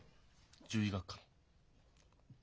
獣医学科の。